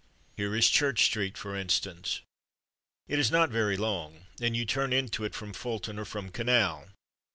Here is Church Street, for instance; it is not very long, and you turn into it from Fulton or from Canal.